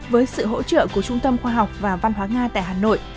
với sự hỗ trợ của trung tâm khoa học và văn hóa nga tại hà nội